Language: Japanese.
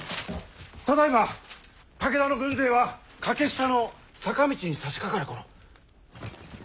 ただいま武田の軍勢は欠下の坂道にさしかかる頃。